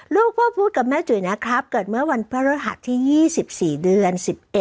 ลูกพ่อพูดกับแม่จุ๋ยนะครับเกิดเมื่อวันพระรหัสที่๒๔เดือน๑๑